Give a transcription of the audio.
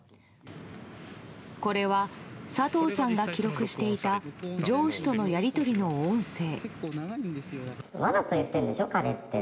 これは佐藤さんが記録していた上司とのやり取りの音声。